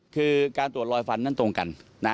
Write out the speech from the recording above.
คือการตรวจลอยฟันนั้นตรงกัน